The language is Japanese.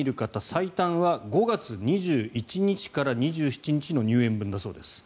最短は５月２１日から２７日までの入園分だそうです。